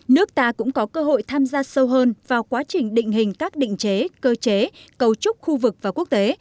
nước ta cũng có cơ hội tham gia sâu hơn vào quá trình định hình các định chế cơ chế cấu trúc khu vực và quốc tế